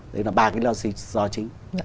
đấy là ba cái loa xin do chính